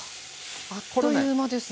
あっという間ですね。